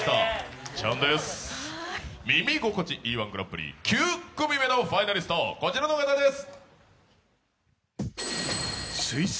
「耳心地いい−１グランプリ」９組目のファイナリスト、こちらの方です。